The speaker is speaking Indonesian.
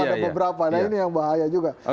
ada beberapa nah ini yang bahaya juga